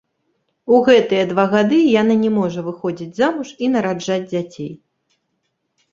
У гэтыя два гады яна не можа выходзіць замуж і нараджаць дзяцей.